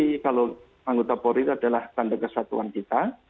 jadi kalau anggota pori itu adalah tanda kesatuan kita